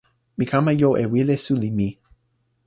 mi kama jo e wile suli mi.